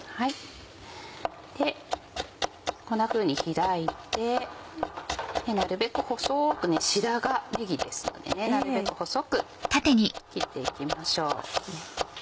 でこんなふうに開いてなるべく細く「白髪ねぎ」ですのでねなるべく細く切っていきましょう。